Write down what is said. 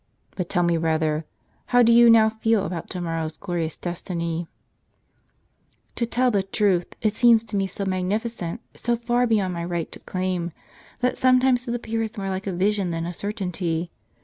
But tell me rather, how do you now feel about to morrow's glorious destiny ?"" To tell the truth, it seems to me so magnificent, so far bey6nd my right to claim, that sometimes it appears more like a vision than a certainty.